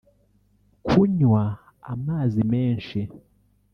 Kunywa amazi menshi